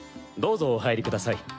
どうぞお入りください。